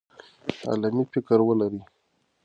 علمي فکر ولرئ.